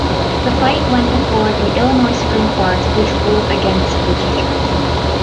The fight went before the Illinois Supreme Court, which ruled against the teachers.